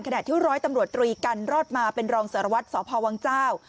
ที่ร้อยตำรวจตรีกันรอดมาเป็นรองสารวัตรสพวังเจ้า